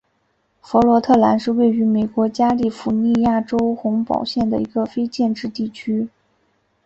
弗鲁特兰是位于美国加利福尼亚州洪堡县的一个非建制地区。